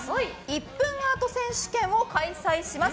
１分アート選手権を開催します。